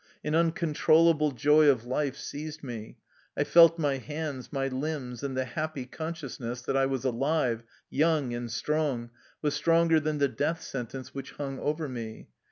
An uncon trollable joy of life seized me. I felt my hands, my limbs, and the happy consciousness that I was alive, young and strong, was stronger than the death sentence which hung over me.